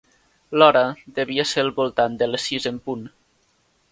L'hora devia ser al voltant de les sis en punt.